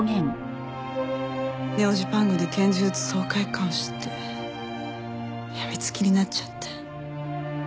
ネオ・ジパングで拳銃撃つ爽快感を知って病みつきになっちゃって。